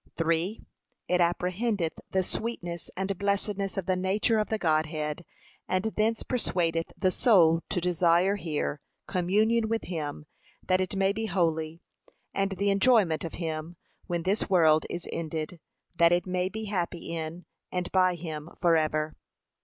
(3.) It apprehendeth the sweetness and blessedness of the nature of the Godhead, and thence persuadeth the soul to desire here, communion with him, that it may be holy, and the enjoyment of him, when this world is ended, that it may be happy in, and by him, for ever.